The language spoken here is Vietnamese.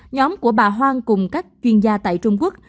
nhóm của bà hoang cùng các chuyên gia tại trung quốc